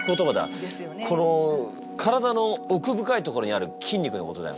この体の奥深いところにある筋肉のことだよな。